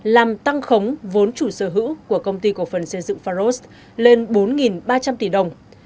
làm tăng khống vốn chủ sở hữu của công ty cổ phần xây dựng pharos lên bốn ba trăm linh tỷ đồng